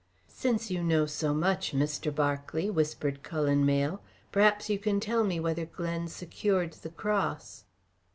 "Since you know so much, Mr. Berkeley," whispered Cullen Mayle, "perhaps you can tell me whether Glen secured the cross."